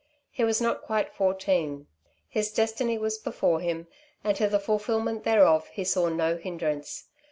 He was not quite fourteen. His destiny was before him, and to the fulfilment thereof he saw no hindrance.